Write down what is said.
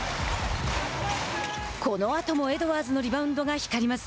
このあともエドワーズのリバウンドが光ります。